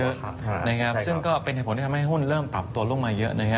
ซึ่งก็เป็นเหตุผลที่ทำให้หุ้นเริ่มปรับตัวลงมาเยอะนะครับ